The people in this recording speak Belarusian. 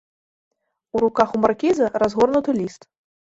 У руках у маркіза разгорнуты ліст.